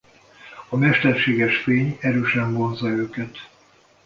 A mesterséges fény erősen vonzza őket.